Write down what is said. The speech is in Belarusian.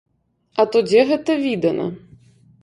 А то дзе гэта відана.